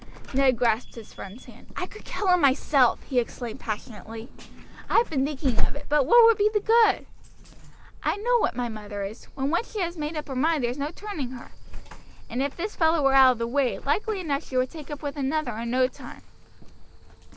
Ned grasped his friend's hand. "I could kill him myself!" he exclaimed passionately. "I have been thinking of it; but what would be the good? I know what my mother is when once she has made up her mind there's no turning her; and if this fellow were out of the way, likely enough she would take up with another in no time."